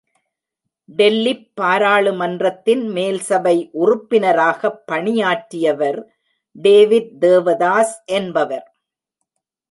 டெல்லிப் பாராளு மன்றத்தின் மேல்சபை உறுப்பின ராகப் பணியாற்றியவர் டேவிட் தேவதாஸ் என்பவர்.